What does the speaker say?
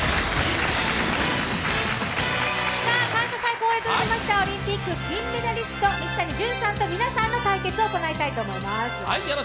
感謝祭恒例となりました、オリンピック金メダリスト、水谷隼さんと皆さんの対決を行いたいと思います。